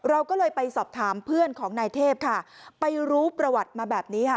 เราก็เลยไปสอบถามเพื่อนของนายเทพค่ะไปรู้ประวัติมาแบบนี้ค่ะ